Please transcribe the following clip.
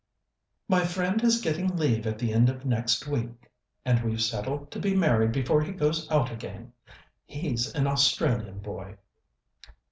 "My friend is getting leave at the end of next week, and we've settled to be married before he goes out again. He's an Australian boy."